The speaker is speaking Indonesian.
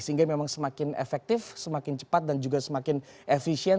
sehingga memang semakin efektif semakin cepat dan juga semakin efisien